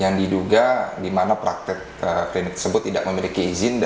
yang di duga di mana praktik klinik tersebut tidak memiliki izin